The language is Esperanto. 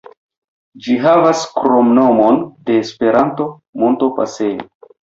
Ĝi havas kromnomon de Esperanto, "Montopasejo".